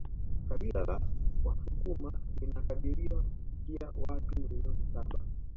Kabila la wasukuma linakadiriwa kufikia watu milioni saba